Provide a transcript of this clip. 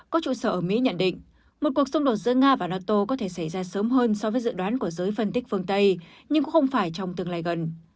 có trụ sở ở mỹ nhận định một cuộc xung đột giữa nga và nato có thể xảy ra sớm hơn so với dự đoán của giới phân tích phương tây nhưng không phải trong tương lai gần